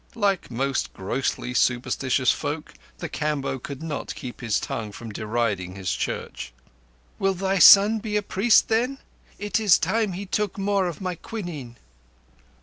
Like most grossly superstitious folk, the Kamboh could not keep his tongue from deriding his Church. "Will thy son be a priest, then? It is time he took more of my quinine."